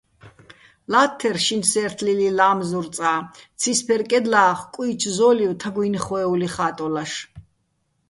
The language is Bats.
ლა́თთერ შინსე́რთლილიჼ ლა́მზურ წა, ცისბერ კედლა́ხ კუიჩო̆ ზო́ლივ თაგუჲნი̆ ხვე́ული ხა́ტოლაშ.